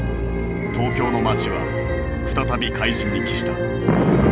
東京の街は再び灰燼に帰した。